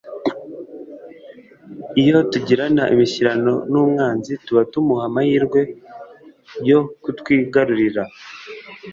Iyo tugirana imishyikirano n'umwanzi, tuba tumuha amahirwe yo kutwigarurira.